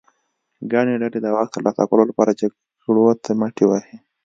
ګڼې ډلې د واک ترلاسه کولو لپاره جګړو ته مټې وهي.